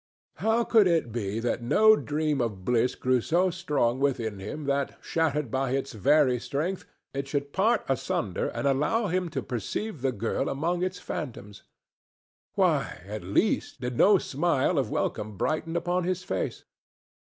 How could it be that no dream of bliss grew so strong within him that, shattered by its very strength, it should part asunder and allow him to perceive the girl among its phantoms? Why, at least, did no smile of welcome brighten upon his face?